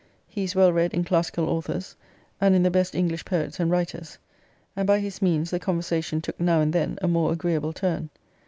He is well read in classical authors, and in the best English poets and writers; and, by his means, the conversation took now and then a more agreeable turn.